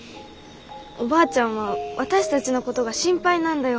おばあちゃんは私たちのことが心配なんだよ。